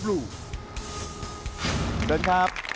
สวัสดีครับ